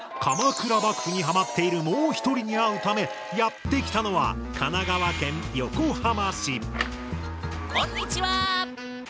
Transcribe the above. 鎌倉幕府にハマっているもう一人に会うためやって来たのは神奈川県横浜市。